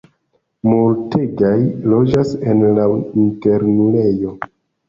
Multegaj loĝas en la internulejo.